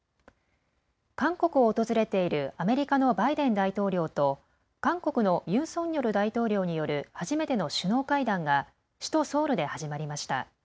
韓国を訪れているアメリカのバイデン大統領と韓国のユン・ソンニョル大統領による初めての首脳会談が首都ソウルで始まりました。